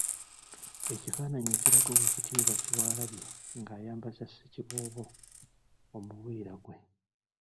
Ekifaananyi ekiraga Oweekitiibwa Kyewalabye nga ayambaza Ssekiboobo omuvuliya gwe.